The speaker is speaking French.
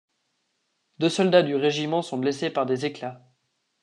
Deux soldats du régiment sont blessés par des éclats.